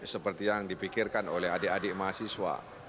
seperti yang dipikirkan oleh adik adik mahasiswa